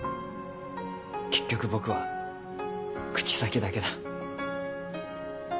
結局僕は口先だけだ。